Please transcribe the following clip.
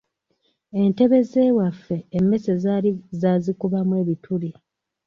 Entebe z’ewaffe emmese zaali zaazikubamu ebituli.